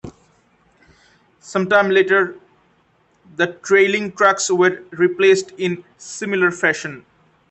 Some time later, the trailing trucks were replaced in similar fashion.